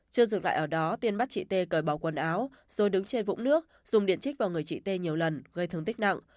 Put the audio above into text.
chưa dừng lại ở đó tiên bắt chị t cởi bỏ quần áo rồi đứng trên vũng nước dùng điện chích vào người chị t nhiều lần gây thương tích nặng